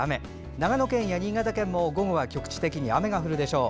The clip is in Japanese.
長野県や新潟県も午後は局地的に雨が降るでしょう。